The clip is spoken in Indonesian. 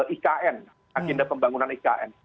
ikn agenda pembangunan ikn